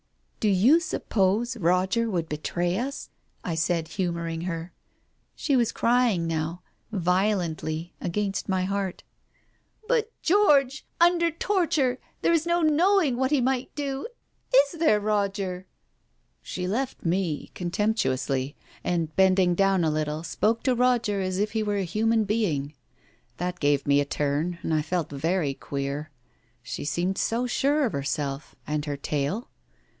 " Do you suppose Roger would betray us ?" I said, humouring her. She was crying now, violently, against my heart. "But, George — under torture — there is no knowing what he might do. Is there, Roger?" She left me, contemptuously, and bending down a little, spoke to Roger as if he were a human being. That gave me a turn, and I felt very queer. She seemed so sure of herself, and her tale.